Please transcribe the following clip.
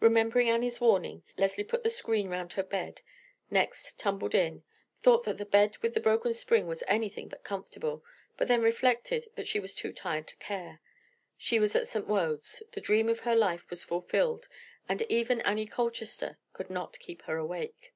Remembering Annie's warning, Leslie put the screen round her bed, next tumbled in; thought that the bed with the broken spring was anything but comfortable, but then reflected that she was too tired to care. She was at St. Wode's; the dream of her life was fulfilled, and even Annie Colchester could not keep her awake.